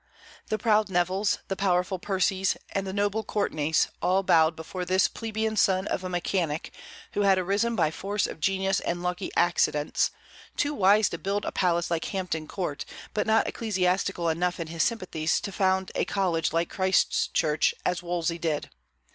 The proud Nevilles, the powerful Percies, and the noble Courtenays all bowed before this plebeian son of a mechanic, who had arisen by force of genius and lucky accidents, too wise to build a palace like Hampton Court, but not ecclesiastical enough in his sympathies to found a college like Christ's Church as Wolsey did.